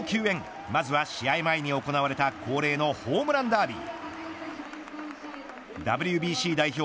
夢の球宴まずは試合前に行われた恒例のホームランダービー。